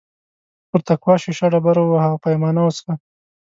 پر تقوا شیشه ډبره ووهه او پیمانه وڅښه.